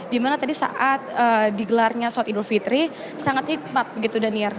dimana tadi saat digelarnya sholat idul fitri sangat hikmat begitu daniar